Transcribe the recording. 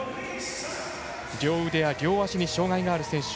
両腕や両足に障がいがある選手。